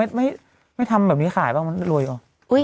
ไม่ทำไมบ้านเราไม่ทำแบบนี้ขายบ้างมันไม่รวยหรอก